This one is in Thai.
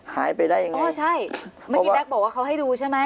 หายไปได้ยังไงอ๋อใช่เมื่อกี้แก๊กบอกว่าเขาให้ดูใช่ไหม